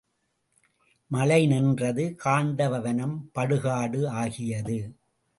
மழை நின்றது காண்டவ வனம் படுகாடு ஆகியது.